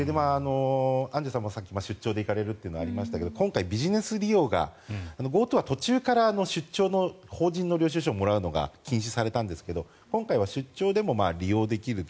アンジュさんもさっき出張で行かれるとありましたが今回、ビジネス利用がＧｏＴｏは出張の法人の領収書をもらうのが禁止されたんですが今回は出張でも利用できる。